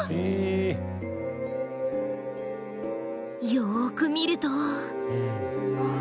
よく見ると。